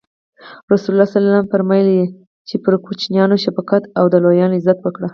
رسول الله ص فرمایي: چی پر کوچنیانو شفقت او او د لویانو عزت وکړي.